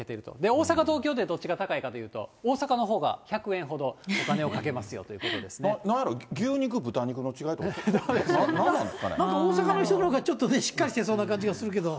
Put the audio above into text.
大阪、東京でどっちが高いかというと、大阪のほうが１００円ほど、お金なんやろ、牛肉、豚肉の違いなんか大阪の人のほうが、ちょっとね、しっかりしてそうな感じするけど。